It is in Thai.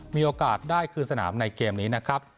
มีโอกาสได้คืนสนามในเกมนี้นะครับ